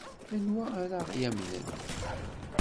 Anwa ara ɣ-yamnen?